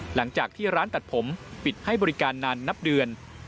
หลังจากที่ร้านตัดผมปิดให้บริการนานนับเดือน